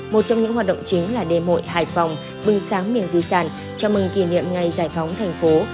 một trong những hoạt động chính là đêm hội hải phòng bừng sáng miền di sản chào mừng kỷ niệm ngày giải phóng thành phố